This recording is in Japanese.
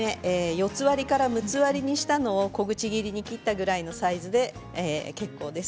４つ割りから６つ割りにしたものを小口切りに切ったぐらいのサイズで結構です。